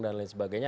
dan lain sebagainya